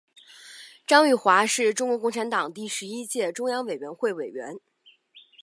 张玉华是中国共产党第十一届中央委员会委员。